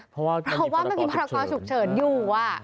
เพราะว่ามันมีพรกรฉุกเฉินอยู่